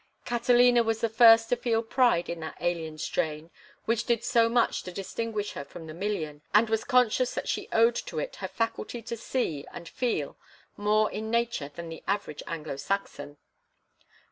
Catalina was the first to feel pride in that alien strain which did so much to distinguish her from the million, and was conscious that she owed to it her faculty to see and feel more in nature than the average Anglo Saxon.